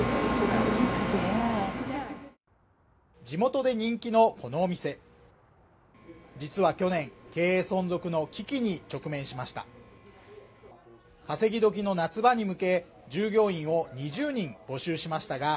地元で人気のこのお店実は去年経営存続の危機に直面しました